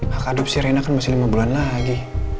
hak adopsi rena kan masih lima bulan lagi